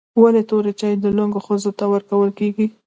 ولي توري چای و لنګو ښځو ته ورکول کیږي؟